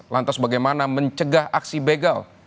lantas bagaimana mencegah aksi begal